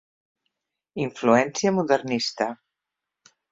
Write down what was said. Influència modernista.